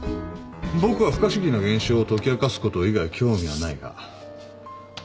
僕は不可思議な現象を解き明かすこと以外興味はないが。